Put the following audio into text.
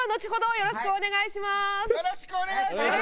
よろしくお願いします。